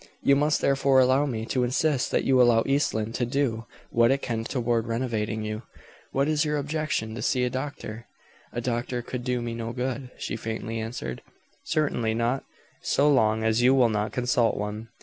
"You must therefore allow me to insist that you allow East Lynne to do what it can toward renovating you. What is your objection to see a doctor?" "A doctor could do me no good," she faintly answered. "Certainly not, so long as you will not consult one."